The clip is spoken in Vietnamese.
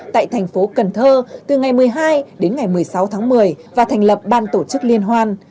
tại thành phố cần thơ từ ngày một mươi hai đến ngày một mươi sáu tháng một mươi và thành lập ban tổ chức liên hoan